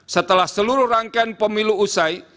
setelah seluruh rangkaian pemilu usai